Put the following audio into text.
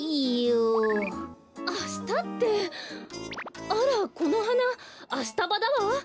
あしたってあらこのはなアシタバだわ。